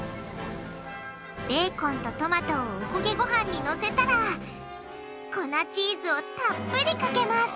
ベーコンとトマトをおこげごはんにのせたら粉チーズをたっぷりかけます